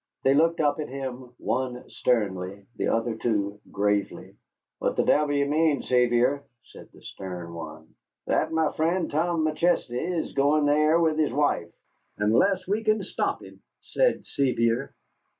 They looked up at him, one sternly, the other two gravely. "What the devil do you mean, Sevier?" said the stern one. "That my friend, Tom McChesney, is going there with his wife, unless we can stop him," said Sevier.